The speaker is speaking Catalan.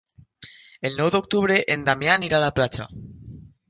El nou d'octubre en Damià anirà a la platja.